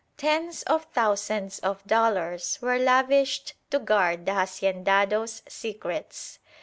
Tens of thousands of dollars were lavished to guard the haciendados' secrets.